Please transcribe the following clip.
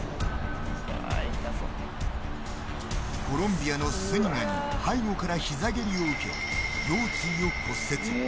コロンビアのスニガに背後から膝蹴りを受け腰椎を骨折。